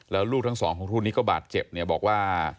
แล้วลูกทั้งสองของครูนี้ก็บาดเจ็บเนี่ยบอกว่า